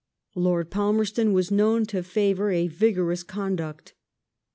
Lord Falmerston was known to favour a vigo rous conduct.